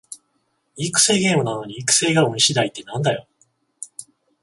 育成ゲームなのに育成が運しだいってなんだよ